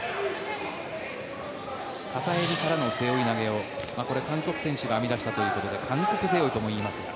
片襟からの背負い投げをこれは韓国選手が編み出したということで韓国背負いとも言いますが。